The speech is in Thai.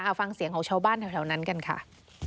เอาฟังเสียงของชาวบ้านแถวนั้นกันค่ะ